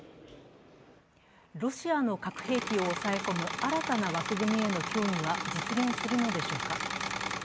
ロシアの核兵器を抑え込む新たな枠組みへの協議は実現するのでしょうか。